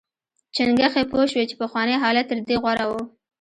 چنګښې پوه شوې چې پخوانی حالت تر دې غوره و.